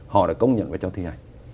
họ đã công nhận và cho thi hành